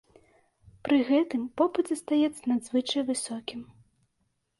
Пры гэтым попыт застаецца надзвычай высокім.